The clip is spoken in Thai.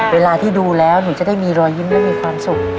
เวลาที่ดูแล้วหนูจะได้มีรอยยิ้มและมีความสุข